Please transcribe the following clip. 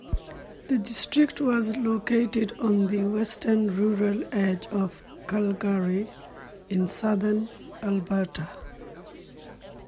The district was located on the western rural edge of Calgary in southern Alberta.